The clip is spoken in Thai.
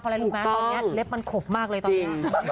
พอแล้วลูกม้าเกิดเล็บมันขบมากเลยตอนนี้